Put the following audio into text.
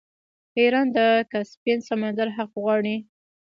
ایران د کسپین سمندر حق غواړي.